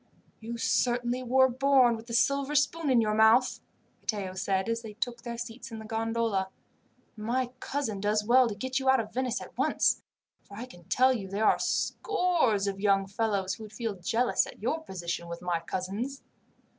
"You certainly were born with a silver spoon in your mouth," Matteo said as they took their seats in the gondola, "and my cousin does well to get you out of Venice at once, for I can tell you there are scores of young fellows who would feel jealous at your position with my cousins."